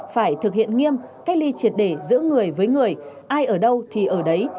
phải thực hiện nghiêm cách ly triệt để giữa người với người ai ở đâu thì ở đấy